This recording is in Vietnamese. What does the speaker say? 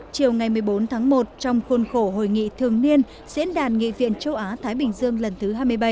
chiều ngày một mươi bốn tháng một trong khuôn khổ hội nghị thường niên diễn đàn nghị viện châu á thái bình dương lần thứ hai mươi bảy